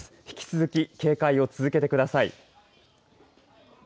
引き続き警戒を続けてください。